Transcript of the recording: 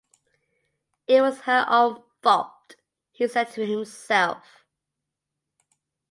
“It was her own fault,” he said to himself.